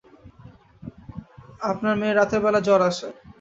আমার মেয়ের রাতের বেলা জ্বর আসে।